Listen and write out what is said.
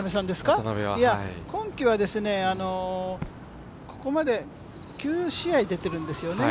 今季は、ここまで９試合出てるんですよね。